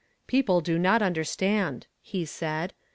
" People do not understand," he said.